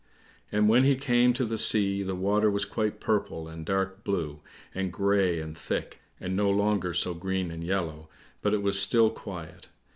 And when he came to the sea the water was quite purple and dark blue, and grey and thick, and no longer so green and yellow, but it was still quiet.